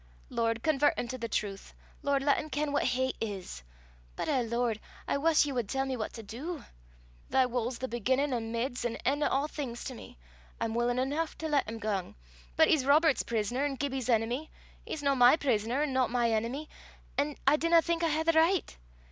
Lord, convert him to the trowth. Lord, lat him ken what hate is. But eh, Lord! I wuss ye wad tell me what to du. Thy wull's the beginnin' an' mids an' en' o' a' thing to me. I'm wullin' eneuch to lat him gang, but he's Robert's pris'ner an' Gibbie's enemy; he's no my pris'ner an' no my enemy, an' I dinna think I hae the richt.